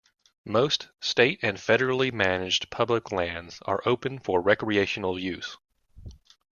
Most state- and federally managed public lands are open for recreational use.